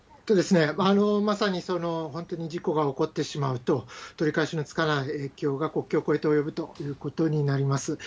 まさに本当に事故が起こってしまうと、取り返しのつかない影響が国境を越えて及ぶということになります。